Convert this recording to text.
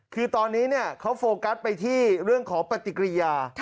คือตอนนี้เขาโฟกัสไปที่เรื่องของปฏิกิริยา